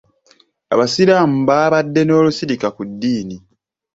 Abasiraamu baabadde n'olusirika ku ddiini.